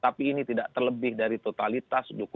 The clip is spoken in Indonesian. tapi ini tidak terlebih dari totalitas